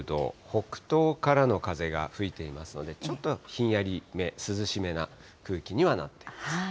北東からの風が吹いていますので、ちょっとひんやりめ、涼しめな空気にはなっています。